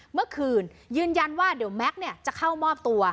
เมื่อคืนยืนยันว่าเดี๋ยวแม็กซ์จะเข้ามอบตัว